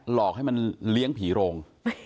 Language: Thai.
หลอกให้มันเลี้ยงผีโรง